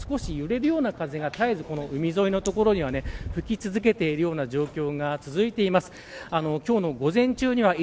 町中のこういった標識なども少し揺れるような風が絶えず海沿いの所には吹き続けているような状況が続いています。